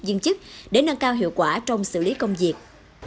viên chức để nâng cao hiệu quả trong xử lý công việc